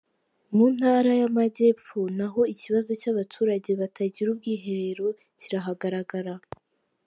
Mu Ntara y’Amajyepfo naho ikibazo cy’abaturage batagira ubwiherero kirahagaragara.